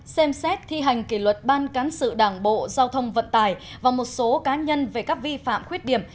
hai xem xét thi hành kỳ luật ban cán sự đảng bộ giao thông vận tài và một số cá nhân về các vi phạm khuyết điểm